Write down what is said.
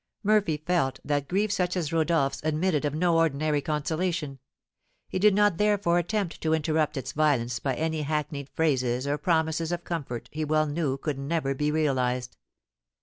Murphy felt that grief such as Rodolph's admitted of no ordinary consolation. He did not therefore attempt to interrupt its violence by any hackneyed phrases or promises of comfort he well knew could never be realised.